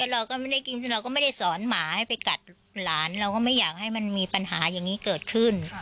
เราก็ไม่ได้กินเราก็ไม่ได้สอนหมาให้ไปกัดหลานเราก็ไม่อยากให้มันมีปัญหาอย่างนี้เกิดขึ้น